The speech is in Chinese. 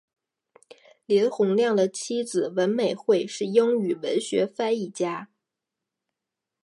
林洪亮的妻子文美惠是英语文学翻译家。